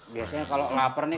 biasanya kalau lapar nih